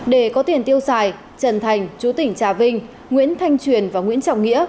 để có tiền tiêu xài trần thành chú tỉnh trà vinh nguyễn thanh truyền và nguyễn trọng nghĩa